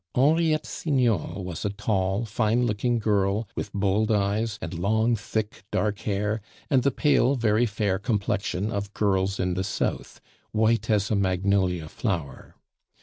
Henriette Signol was a tall, fine looking girl, with bold eyes, and long, thick, dark hair, and the pale, very fair complexion of girls in the South white as a magnolia flower.